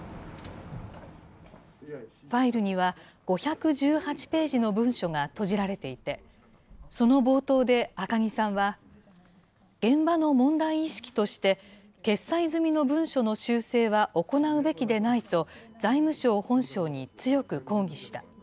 ファイルには、５１８ページの文書がとじられていて、その冒頭で赤木さんは、現場の問題意識として、決裁済みの文書の修正は行うべきでないと、財務省本省に強く抗議した。